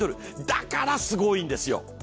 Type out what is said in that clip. だから、すごいんですよ。